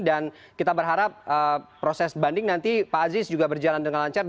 dan kita berharap proses banding nanti pak aziz juga berjalan dengan lancar